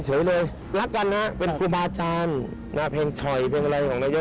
แสวการแสวการแสวการที่เฉย